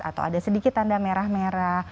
atau ada sedikit tanda merah merah